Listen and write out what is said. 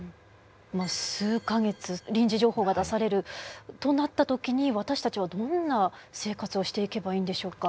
数か月臨時情報が出されるとなった時に私たちはどんな生活をしていけばいいんでしょうか？